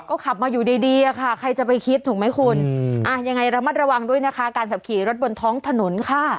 ก็ขับมาอยู่ดีอะค่ะใครจะไปคิดถูกไหมคุณยังไงระมัดระวังด้วยนะคะการขับขี่รถบนท้องถนนค่ะ